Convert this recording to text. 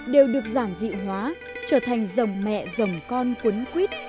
đều được giản dịu hóa trở thành dòng mẹ dòng con quấn quýt